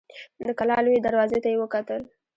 د کلا لويي دروازې ته يې وکتل.